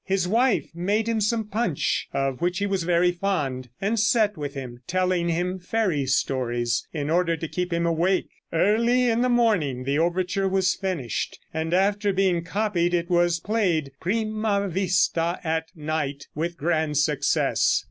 His wife made him some punch, of which he was very fond, and sat with him telling him fairy stories, in order to keep him awake. Early in the morning the overture was finished, and after being copied it was played prima vista at night, with grand success.